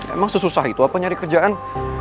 emang sesusah itu apa nyari kerjaan